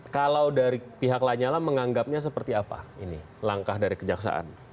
kalau dari pihak lanyala menganggapnya seperti apa ini langkah dari kejaksaan